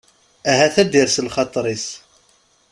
Ahat ad d-ires lxaṭer-is.